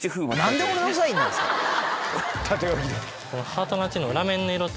縦書きで。